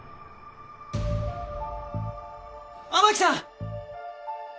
雨樹さん！